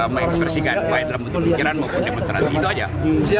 main bersihkan baik dalam bentuk lingkiran maupun demonstrasi itu aja